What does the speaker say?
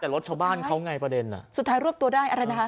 แต่รถชาวบ้านเขาไงประเด็นอ่ะสุดท้ายรวบตัวได้อะไรนะคะ